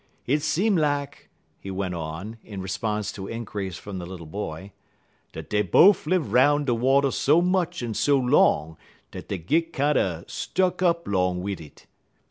Hit seem lak," he went on, in response to inquiries from the little boy, "dat dey bofe live 'roun' de water so much en so long dat dey git kinder stuck up long wid it.